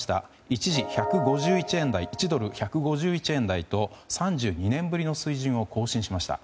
一時１ドル＝１５１円台と３２年ぶりの水準を更新しました。